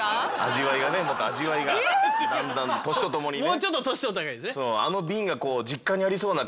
もうちょっと年とったほうがいいね。